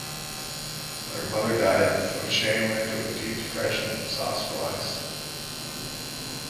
When her mother died O'Shane went into a deep depression and was hospitalised.